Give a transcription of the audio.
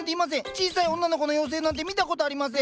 小さい女の子の妖精なんて見たことありません！